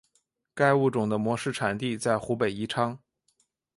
该物种的模式产地在湖北宜昌。